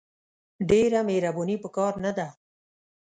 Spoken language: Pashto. ډېره مهرباني په کار نه ده !